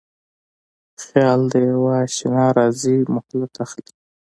خیال د یواشنا راځی مهلت اخلي